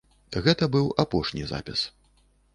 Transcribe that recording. Гэта быў апошні запіс.